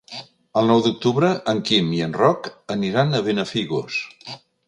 El nou d'octubre en Quim i en Roc aniran a Benafigos.